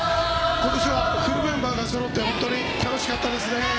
ことしはフルメンバーがそろって本当に楽しかったですね。